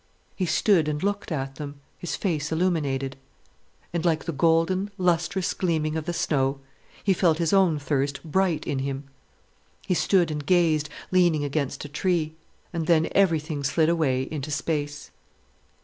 He stood and looked at them, his face illuminated. And like the golden, lustrous gleaming of the snow he felt his own thirst bright in him. He stood and gazed, leaning against a tree. And then everything slid away into space.